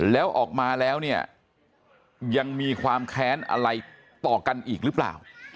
แล้วออกมาแล้วเนี่ยยังมีความแค้นอะไรต่อกันอีกหรือเปล่า